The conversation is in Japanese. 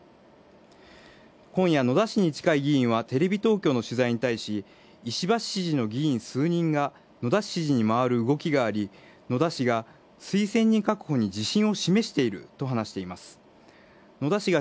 今夜野田氏に近い議員はテレビ東京の取材に対し、石場氏支持の議員数人が野田氏支持に回る動きがあり野田氏が推薦人確保に自信を示していると話しています。